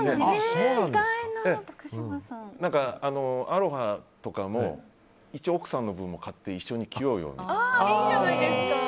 アロハとかも一応、奥さんの分も買って一緒に着ようよみたいな。